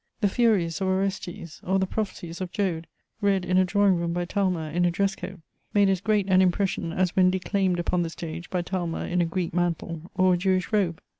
The "furies" of Orestes, or the "prophecies" of Joad, read in a drawing room by Talma in a dress coat, made as great an impression as when declaimed upon the stage by Talma in a Greek mantle or a Jewish robe.